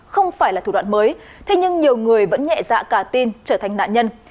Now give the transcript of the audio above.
không phải là thủ đoạn mới thế nhưng nhiều người vẫn nhẹ dạ cả tin trở thành nạn nhân